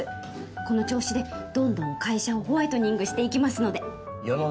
この調子でどんどん会社をホワイトニングしていきますので世の中